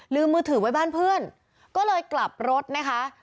มือถือไว้บ้านเพื่อนก็เลยกลับรถนะคะ